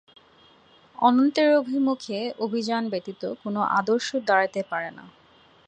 অনন্তের অভিমুখে অভিযান ব্যতীত কোন আদর্শই দাঁড়াইতে পারে না।